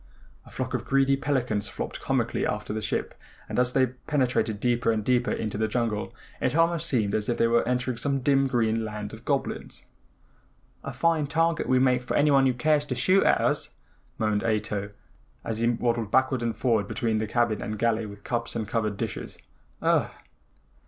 A flock of greedy pelicans flopped comically after the ship and as they penetrated deeper and deeper into the jungle it almost seemed as if they were entering some dim green land of goblins. "A fine target we make for anyone who cares to shoot at us," moaned Ato, as he waddled backward and forward between the cabin and galley with cups and covered dishes. "Ugh!"